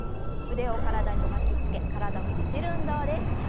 腕を体に巻きつけ体をねじる運動です。